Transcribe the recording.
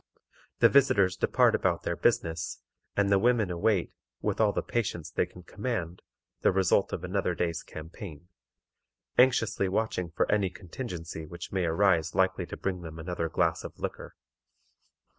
The visitors depart about their business, and the women await, with all the patience they can command, the result of another day's campaign, anxiously watching for any contingency which may arise likely to bring them another glass of liquor.